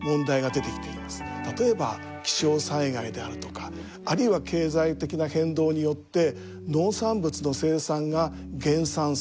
例えば気象災害であるとかあるいは経済的な変動によって農産物の生産が減産する。